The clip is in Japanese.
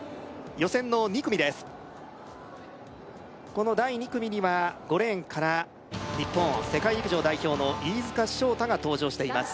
この第２組には５レーンから日本世界陸上代表の飯塚翔太が登場しています